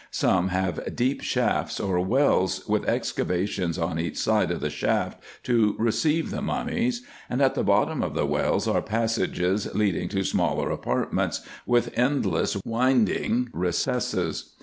Some have deep shafts, or wells, with excavations on each side of the shaft to receive the mummies ; and at the bottom of the wells are passages leading to smaller apartments, with endless winding recesses.